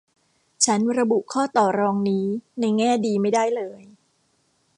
ฉันระบุข้อต่อรองนี้ในแง่ดีไม่ได้เลย